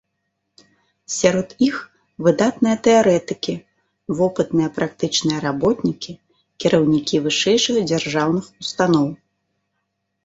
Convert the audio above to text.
Сярод іх выдатныя тэарэтыкі, вопытныя практычныя работнікі, кіраўнікі вышэйшых дзяржаўных устаноў.